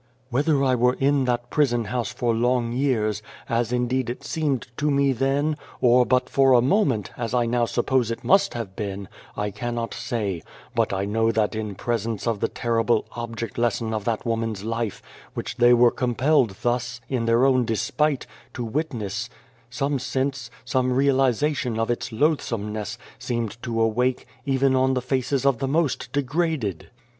" Whether I were in that prison house for long years, as indeed it seemed to me then, or but for a moment, as I now suppose it must have been, I cannot say, but I know that in presence of the terrible object lesson of that woman's life, which they were compelled thus, in their own despite, to witness, some sense, some realisation, of its loathsomeness, seemed to awake, even on the faces of the most degraded.